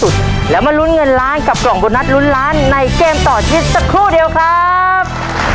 แล้วมาลุ้นเงินล้านกับกล่องโบนัสลุ้นล้านในเกมต่อชีวิตสักครู่เดียวครับ